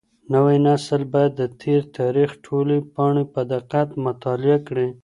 نوی نسل بايد د تېر تاريخ ټولې پاڼې په دقت مطالعه کړي.